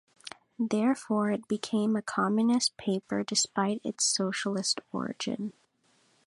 Therefore, it became a communist paper despite its socialist origin.